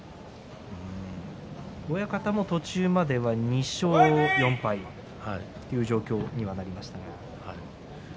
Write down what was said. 親方も途中までは２勝４敗という状況にはなりました。